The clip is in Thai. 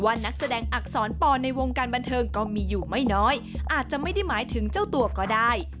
นักแสดงอักษรปอในวงการบันเทิงก็มีอยู่ไม่น้อยอาจจะไม่ได้หมายถึงเจ้าตัวก็ได้